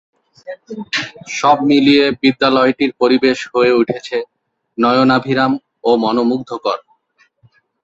সব মিলিয়ে বিদ্যালয়টির পরিবেশ হয়ে উঠেছে নয়নাভিরাম ও মনোমুগ্ধকর।